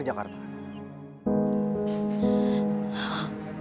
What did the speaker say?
ah jangan milyk ini otellung